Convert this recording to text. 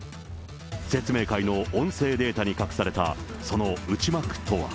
説明会の音声データに隠されたその内幕とは。